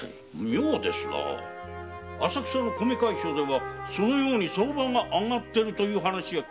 妙ですな浅草の米会所ではそのように相場が上がっているという話は聞きませんぞ。